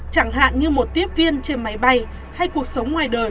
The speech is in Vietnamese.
chẳng hạn như một tiếp viên trên máy bay hay cuộc sống ngoài đời